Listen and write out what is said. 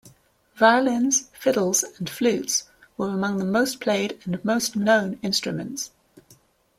Violins, fiddles, and flutes were among the most played and most known instruments.